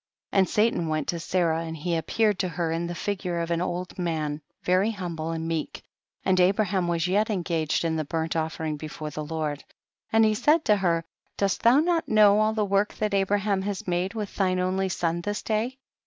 76. And Satan went to Sarah, and he appeared to her in the figure of an old man very humble and meek, and Abraham was yet engaged in the burnt offering before the Lord. 77. And he said unto her, dost thou not know all the work that Abraham has made with thine only son this day